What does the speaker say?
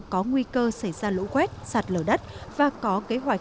có nguy cơ xảy ra lũ quét sạt lở đất và có kế hoạch sơ tán dân đến nơi an toàn